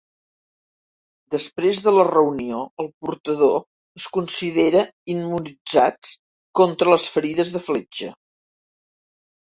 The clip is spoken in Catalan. Després de la reunió, el portador es considera immunitzats contra les ferides de fletxa.